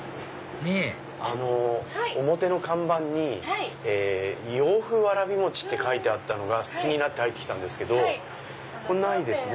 ねぇ表の看板に洋風わらび餅って書いてあったのが気になって入ってきたんですけどここにないですね。